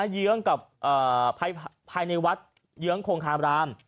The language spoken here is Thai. เยื้องกับภายในวัดเยื้องคงคามราม